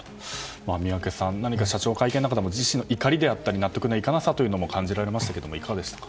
宮家さん、社長の会見の中でも自身の怒りであったり納得のいかなさというのも感じられましたけれどもいかがでしたか。